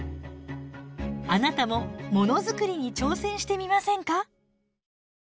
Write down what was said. あなたもものづくりに挑戦してみませんか。